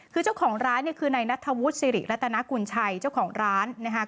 คือเจ้าของร้านเนี่ยคือนายนัทธวุฒิสิริรัตนากุญชัยเจ้าของร้านนะครับ